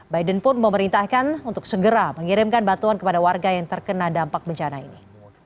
biden pun memerintahkan untuk segera mengirimkan batuan kepada warga yang terkena dampak bencana ini